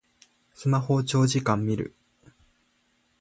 スマホを長時間みる